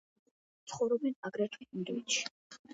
ცხოვრობენ აგრეთვე ინდოეთში.